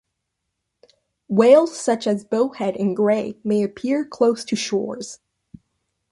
Whales such as Bowhead and Gray may appear close to shores.